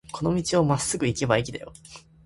この道をまっすぐ行けば駅だよ。